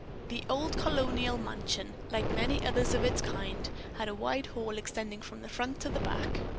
The old colonial mansion, like many others of its kind, had a wide hall extending from the front to the back.